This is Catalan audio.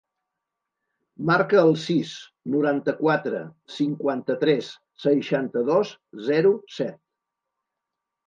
Marca el sis, noranta-quatre, cinquanta-tres, seixanta-dos, zero, set.